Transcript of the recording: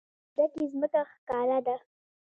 د افغانستان په منظره کې ځمکه ښکاره ده.